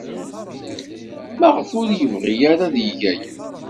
Maɣef ur yebɣi ara ad yeg aya?